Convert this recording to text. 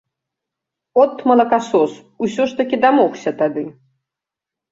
От, малакасос, усё ж такі дамогся тады!